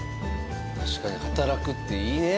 確かに働くっていいねぇ。